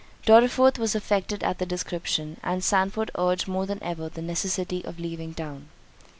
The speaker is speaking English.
Dorriforth was affected at the description, and Sandford urged more than ever the necessity of leaving town.